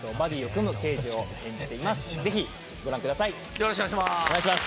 よろしくお願いします。